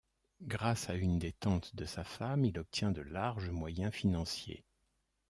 Grâce à une des tantes de sa femme, il obtient de larges moyens financiers.